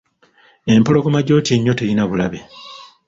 Empologoma gy’otya ennyo terina bulabe.